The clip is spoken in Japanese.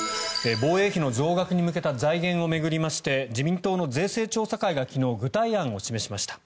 防衛費の増額に向けた財源を巡りまして自民党の税制調査会が昨日具体案を示しました。